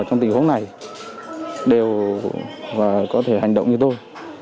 trong tình huống này đều có thể hành động như tôi